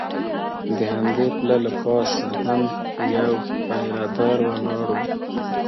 د همدې پله له پاسه هم یو پیره دار ولاړ و.